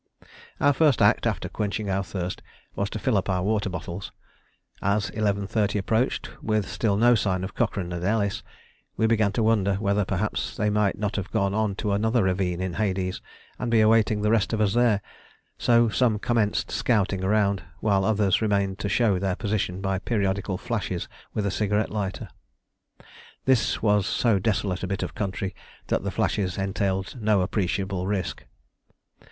Our first act, after quenching our thirst, was to fill up our water bottles. As 11.30 approached, with still no sign of Cochrane and Ellis, we began to wonder whether, perhaps, they might not have gone on to another ravine in "Hades," and be awaiting the rest of us there; so some commenced scouting around, while others remained to show their position by periodical flashes with a cigarette lighter. This was so desolate a bit of country that the flashes entailed no appreciable risk.